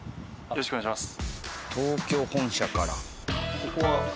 よろしくお願いします。